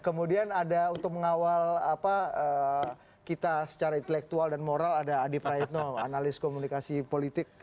kemudian ada untuk mengawal kita secara intelektual dan moral ada adi praetno analis komunikasi politik